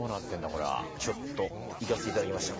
これはちょっといかせていただきました